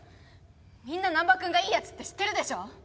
みんな難破君がいいやつって知ってるでしょ。